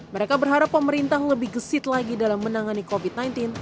mereka berharap pemerintah lebih gesit lagi dalam menangani covid sembilan belas